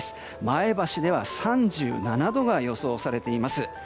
前橋では３７度が予想されています。